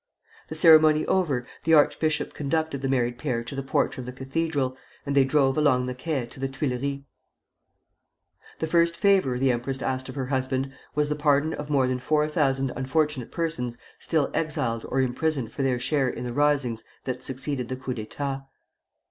The ceremony over, the archbishop conducted the married pair to the porch of the cathedral, and they drove along the Quai to the Tuileries. The first favor the empress asked of her husband was the pardon of more than four thousand unfortunate persons still exiled or imprisoned for their share in the risings that succeeded the coup d'état.